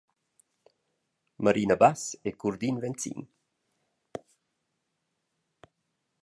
Marina Bass e Curdin Venzin.